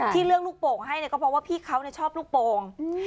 ที่เลือกลูกโป่งให้เนี่ยก็เพราะว่าพี่เขาชอบลูกโป่ง